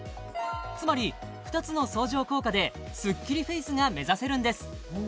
つまり２つの相乗効果でスッキリフェイスが目指せるんです！